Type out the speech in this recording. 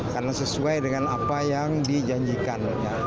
karena sesuai dengan apa yang dijanjikan